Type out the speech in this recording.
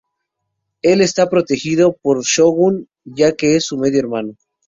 Él está protegido por el Shogun, ya que es su medio hermano.